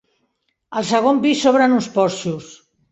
Al segons pis s'obren uns porxos.